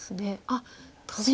あっトビで。